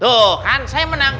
tuh kan saya menang